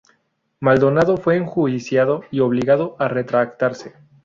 Maldonado fue enjuiciado y obligado a retractarse.